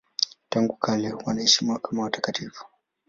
Tangu kale wote wanaheshimiwa kama watakatifu.